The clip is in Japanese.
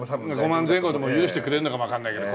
５万前後でも許してくれるのかもわかんないけど。